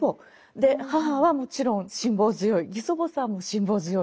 で母はもちろん辛抱強い義祖母さんも辛抱強い。